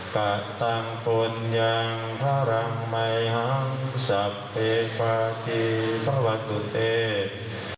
กะตังภุนยังพรังไมหังสับเพภาทีพวัตตุเตศ